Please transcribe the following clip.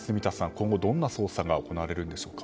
今後どんな捜査が行われるんでしょうか。